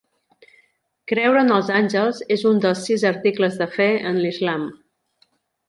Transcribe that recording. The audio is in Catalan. Creure en els àngels és un dels sis articles de Fe en l'Islam.